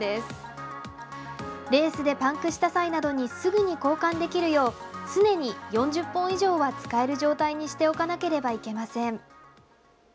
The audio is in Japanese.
レースでパンクした際などにすぐに交換できるよう常に４０本以上は使える状態にしておかなければいけません。